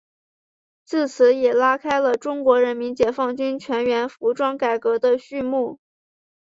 自此也拉开了中国人民解放军全军服装改革的序幕。